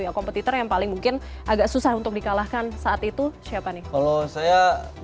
ya kompetitor yang paling mungkin agak susah untuk dikalahkan saat itu siapa nih kalau saya